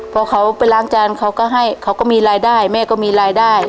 พอเขาไปล้างจานเขาก็ให้เขาก็มีรายได้แม่ก็มีรายได้